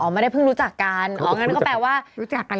ไม่ได้เพิ่งรู้จักกันอ๋องั้นก็แปลว่ารู้จักกัน